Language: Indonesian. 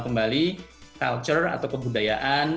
kembali kultur atau kebudayaan